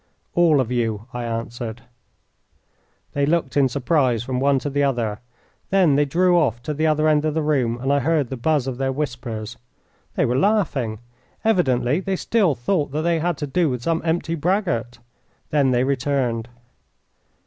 "All of you," I answered. They looked in surprise from one to the other. Then they drew off to the other end of the room, and I heard the buzz of their whispers. They were laughing. Evidently they still thought that they had to do with some empty braggart. Then they returned.